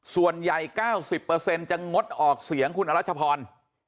ส่วนใหญ่๙๐จะงดออกเสียงคุณอรัชพร